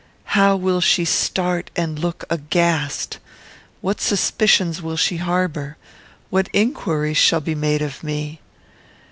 "How will she start and look aghast! What suspicions will she harbour? What inquiries shall be made of me?